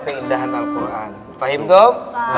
keindahan al quran fahim dong